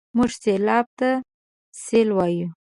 موږ سېلاب ته سېل وايو.